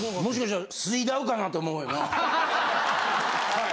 はい。